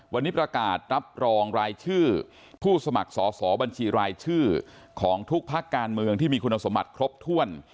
วันนี้ประกาศรับรองรายชื่อผู้สมัครสอสอบัญชีรายชื่อของทุกภาคการเมืองที่มีคุณสมบัติครบถ้วน